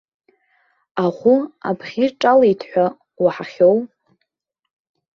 Аӷәы абӷьы ҿалеит ҳәа уаҳахьоу.